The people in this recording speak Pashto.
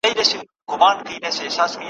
څه زلمۍ شپې وې شرنګ د پایلو `